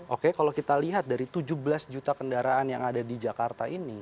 oke kalau kita lihat dari tujuh belas juta kendaraan yang ada di jakarta ini